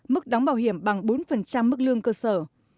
mức đóng bảo hiểm bằng bốn mức lương cơ sở